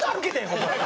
ホンマに。